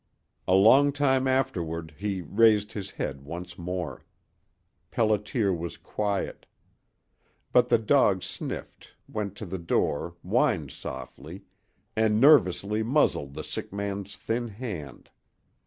A long time afterward he raised his head once more. Pelliter was quiet. But the dog sniffed, went to the door, whined softly, and nervously muzzled the sick man's thin hand.